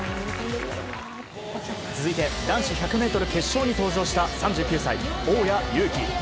続いて男子１００メートル決勝に登場した３９歳、大矢勇気。